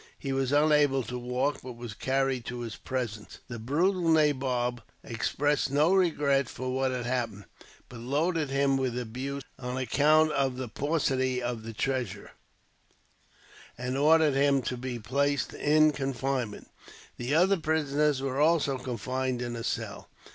He was unable to walk, but was carried to his presence. The brutal nabob expressed no regret for what had happened, but loaded him with abuse, on account of the paucity of the treasure, and ordered him to be placed in confinement. The other prisoners were also confined in a cell.